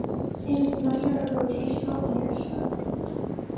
It is a measure of rotational inertia.